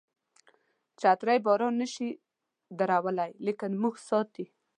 چترۍ باران نشي ودرولای لیکن موږ ساتي.